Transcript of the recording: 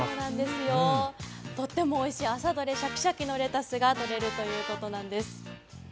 とてもおいしい、朝どれシャキシャキのレタスがとれるということなんです。